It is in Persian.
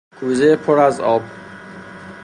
کوزهٔ پر از آب